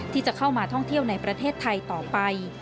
ที่จะเข้ามาท่องเที่ยวในประเทศไทยต่อไป